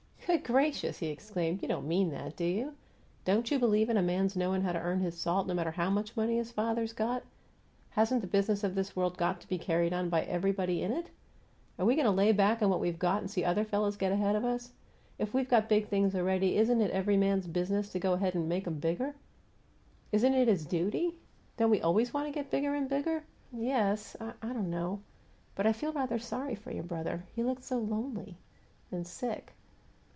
"Good gracious!" he exclaimed. "You don't mean that, do you? Don't you believe in a man's knowing how to earn his salt, no matter how much money his father's got? Hasn't the business of this world got to be carried on by everybody in it? Are we going to lay back on what we've got and see other fellows get ahead of us? If we've got big things already, isn't it every man's business to go ahead and make 'em bigger? Isn't it his duty? Don't we always want to get bigger and bigger?" "Ye es I don't know. But I feel rather sorry for your brother. He looked so lonely and sick."